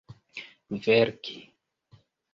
verki